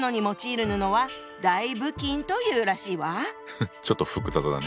フッちょっと複雑だね。